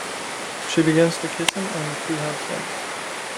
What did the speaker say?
She begins to kiss him, and the two have sex.